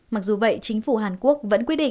mặc dù vậy chính phủ hàn quốc vẫn quyết định